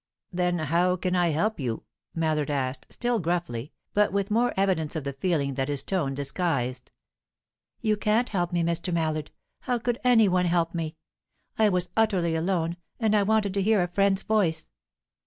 "Then how can I help you?" Mallard asked, still gruffly, but with more evidence of the feeling that his tone disguised. "You can't help me, Mr. Mallard. How could any one help me? I was utterly alone, and I wanted to hear a friend's voice."